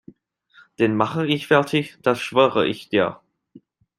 Den mache ich fertig, das schwöre ich dir!